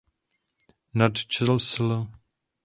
Nad čsl.